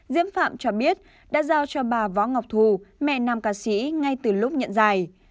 diễm phạm cho biết đã giao cho bà võ ngọc thù mẹ nam ca sĩ ngay từ lúc nhận dài